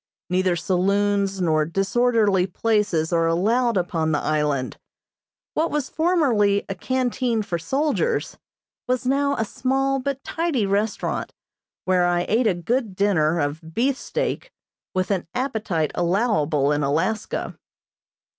Neither saloons nor disorderly places are allowed upon the island. What was formerly a canteen for soldiers was now a small but tidy restaurant, where I ate a good dinner of beef steak with an appetite allowable in Alaska.